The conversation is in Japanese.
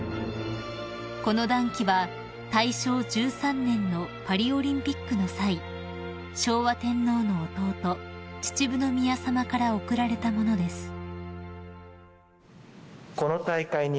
［この団旗は大正１３年のパリオリンピックの際昭和天皇の弟秩父宮さまから贈られた物です］